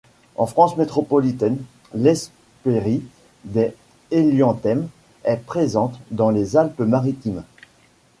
En France métropolitaine l'Hespérie des hélianthèmes est présente dans les Alpes-Maritimes.